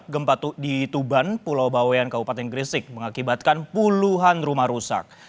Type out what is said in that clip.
gempa di tuban pulau bawean kabupaten gresik mengakibatkan puluhan rumah rusak